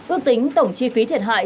ước tính tổng chi phí thiệt hại